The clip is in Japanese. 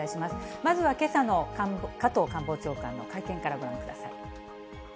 まずはけさの加藤官房長官の会見からご覧ください。